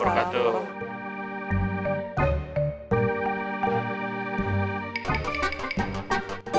baiklah saya akan menunggumu